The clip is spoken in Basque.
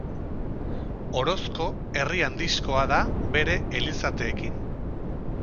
Orozko herri handixkoa da bere elizateekin.